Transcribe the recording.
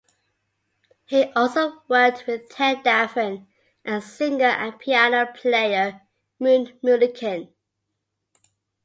He also worked with Ted Daffan, and singer and piano player Moon Mullican.